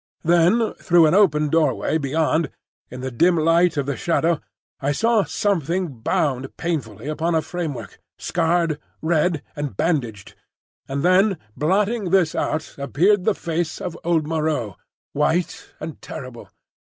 Then through an open doorway beyond, in the dim light of the shadow, I saw something bound painfully upon a framework, scarred, red, and bandaged; and then blotting this out appeared the face of old Moreau, white and terrible.